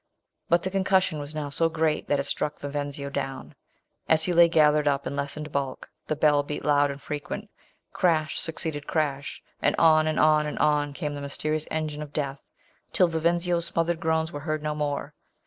But the concussion was now so great that it struck Vivenzio down. As he lay gathered up in lessened bulk, the bell beat loud and frequent — crash succeeded crash — and on, and on, and on came the mysterious engine of death, till Vivenzio's smothered groans were heard no more!